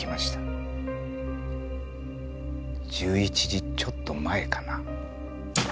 １１時ちょっと前かな？